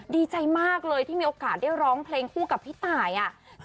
ดีใจมากเลยที่มีโอกาสได้ร้องเพลงคู่กับพี่ตายอ่ะ